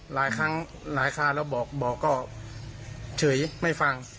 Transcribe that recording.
หลายครั้งหลายคราวแล้วบอกก็เฉยไม่ฟัง